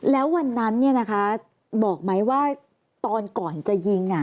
แล้ววันนั้นเนี่ยนะคะบอกไหมว่าตอนก่อนจะยิง